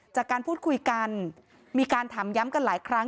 จากการพูดคุยกันมีการถามย้ำกันหลายครั้ง